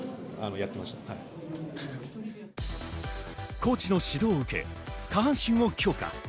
コーチの指導を受け下半身を強化。